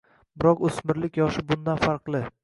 Biroq o‘smirlik yoshi bundan farqli.